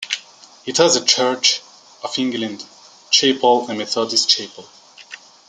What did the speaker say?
It has a Church of England chapel and a Methodist chapel.